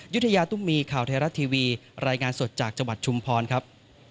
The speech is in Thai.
ยุธยาตุ้มมีข่าวไทยรัฐทีวีรายงานสดจากจังหวัดชุมพรครับ